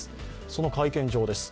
その会見場です。